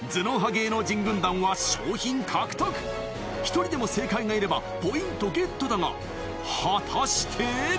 芸能人軍団は賞品獲得１人でも正解がいればポイントゲットだが果たして？